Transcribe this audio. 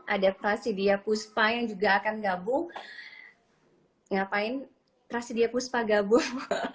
ada prasidia puspa yang juga akan gabung ngapain prasidya puspa gabung